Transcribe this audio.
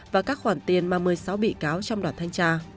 và các khoản tiền mà một mươi sáu bị cáo trong đoàn thanh tra